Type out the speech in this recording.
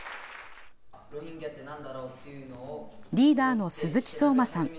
リーダーの鈴木聡真さん